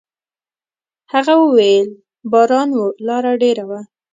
هغه وويل: «باران و، لاره ډېره وه.»